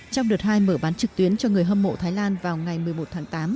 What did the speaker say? trong đợt hai mở bán trực tuyến cho người hâm mộ thái lan vào ngày một mươi một tháng tám